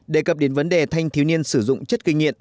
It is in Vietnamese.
đề cập đến vấn đề thanh thiếu niên sử dụng chất kinh nghiệm